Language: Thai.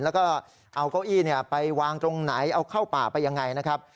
แล้วก็เอาเก้าอี้ไปวางตรงไหนเอาเข้าป่าไปยังไงนะครับ